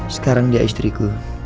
sekarang dia istriku